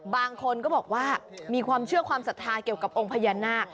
บางคนก็บอกว่ามีความเชื่อความศรัทธาเกี่ยวกับองค์พญานาค